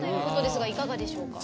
いかがでしょうか？